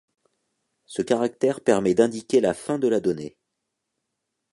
Ce caractère permet d'indiquer la fin de la donnée.